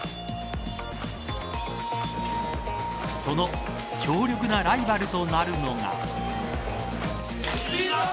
その強力なライバルとなるのが。